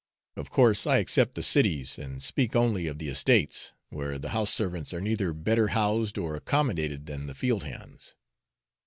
Of course I except the cities, and speak only of the estates, where the house servants are neither better housed or accommodated than the field hands.